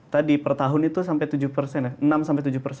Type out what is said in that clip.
tadi per tahun itu sampai tujuh ya